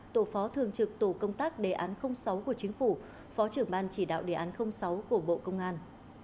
tổ phó thường trực tổ công tác đề án sáu của chính phủ phó trưởng ban chỉ đạo đề án sáu của bộ công an